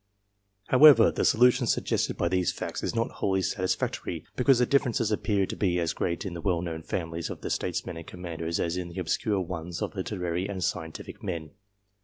However, the solution suggested by these facts is not wholly satisfactory, because the differences appear to be as great in the well known families of the Statesmen and Commanders, as in the obscure ones of the Literary and Scientific men.